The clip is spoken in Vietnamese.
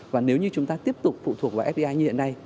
và nếu như chúng ta tiếp tục phụ thuộc vào fdi như hiện nay